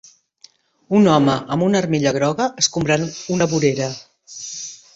Un home amb una armilla groga escombrant una vorera.